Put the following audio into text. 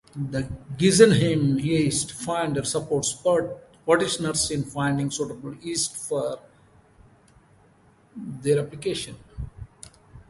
The Geisenheim Yeast Finder supports practitioners in finding suitable yeast for their application.